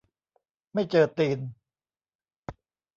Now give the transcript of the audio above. ไม่เจอตีน